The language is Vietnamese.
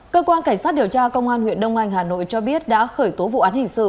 cơ quan cảnh sát điều tra công an huyện đông anh hà nội cho biết đã khởi tố vụ án hình sự